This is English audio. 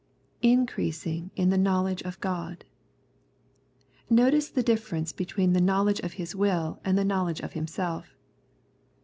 " Increasing in the knowledge of God,^^ Notice the difference between the knowledge of His will and the knowledge of Himself.